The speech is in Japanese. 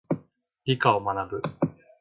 理科を学ぶ。